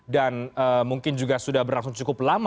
dan mungkin juga sudah berlangsung cukup lama